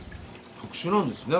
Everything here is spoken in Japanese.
特殊なんですね